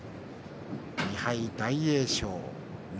２敗、大栄翔翠